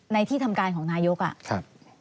ในที่ทำการของนายกะ